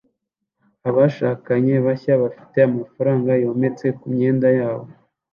Abashakanye bashya bafite amafaranga yometse kumyenda yabo